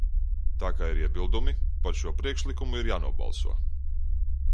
Tā kā ir iebildumi, par šo priekšlikumu ir jānobalso.